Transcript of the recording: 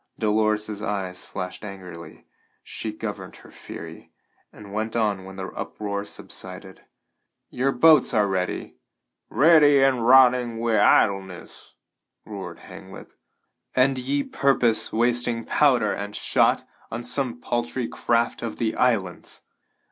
Dolores's eyes flashed angrily; she governed her fury, and went on when the uproar subsided: "Your boats are ready?" "Ready and rotting wi' idleness!" roared Hanglip. "And ye purpose wasting powder and shot on some paltry craft of the islands!